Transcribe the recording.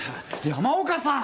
山岡さん。